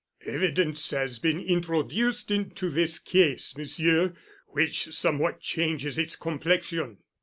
"Evidence has been introduced into this case, Monsieur, which somewhat changes its complexion."